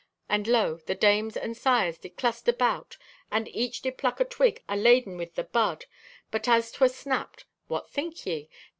And lo, the dames and sires did cluster 'bout, and each did pluck a twig aladen with the bud, but as 'twere snapped, what think ye?